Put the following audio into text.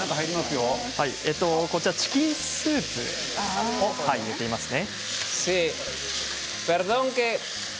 こちらチキンスープを入れていますね。